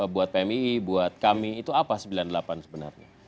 buat pmii buat kami itu apa sembilan puluh delapan sebenarnya